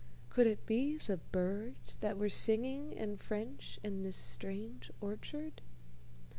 Could it be the birds that were singing in French in this strange orchard?